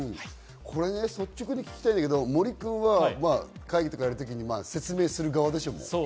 率直に聞きたいけど、森君は会議とかやる時に説明する側でしょ。